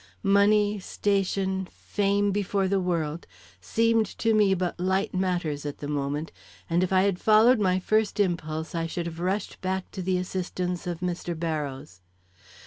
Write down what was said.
Money, station, fame before the world, seemed to me but light matters at that moment, and if I had followed my first impulse I should have rushed back to the assistance of Mr. Barrows.